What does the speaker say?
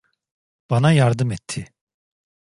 Bana yardım etti.